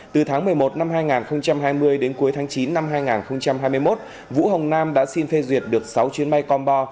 từ tháng một mươi một năm hai nghìn hai mươi đến cuối tháng chín năm hai nghìn hai mươi một vũ hồng nam đã xin phê duyệt được sáu chuyến bay combo